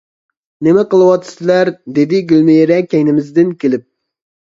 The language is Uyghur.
-نېمە قىلىۋاتىسىلەر؟ -دېدى گۈلمىرە كەينىمىزدىن كېلىپ.